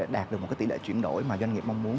đạt được một tỷ lệ chuyển đổi mà doanh nghiệp mong muốn